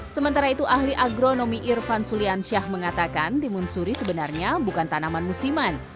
sementara itu ahli agronomi irfan suliansyah mengatakan timun suri sebenarnya bukan tanaman musiman